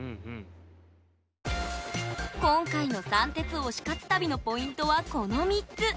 今回の三鉄推し活旅のポイントはこの３つ。